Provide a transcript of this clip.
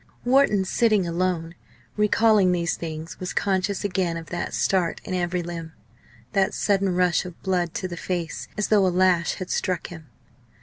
Wharton, sitting alone, recalling these things, was conscious again of that start in every limb, that sudden rush of blood to the face, as though a lash had struck him.